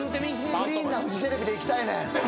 クリーンなフジテレビでいきたいねん。